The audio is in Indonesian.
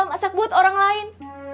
masak buat orang lain